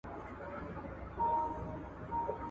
طبيب هغه دئ، چي پر ورغلي وي.